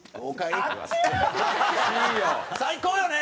最高よね。